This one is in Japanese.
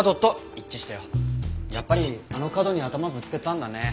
やっぱりあの角に頭ぶつけたんだね。